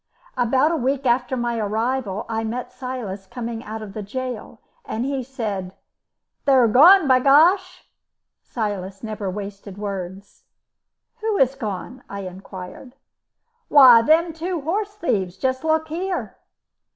About a week after my arrival I met Silas coming out of the gaol, and he said: "They're gone, be gosh." Silas never wasted words. "Who is gone?" I inquired. "Why, them two horse thieves. Just look here."